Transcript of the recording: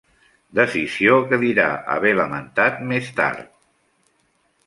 Decisió que dirà haver lamentat més tard.